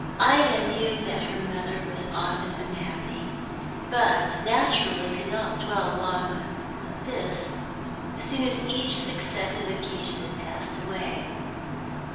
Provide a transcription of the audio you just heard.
Ida knew that her mother was often unhappy, but naturally could not dwell long on this as soon as each successive occasion had passed away.